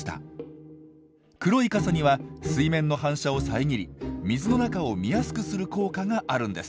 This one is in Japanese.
黒い傘には水面の反射をさえぎり水の中を見やすくする効果があるんです。